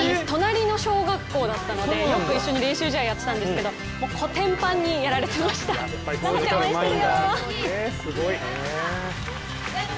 隣の小学校だったので、よく一緒に練習試合やってたんですけどもうこてんぱんにやられてました、応援してるよ！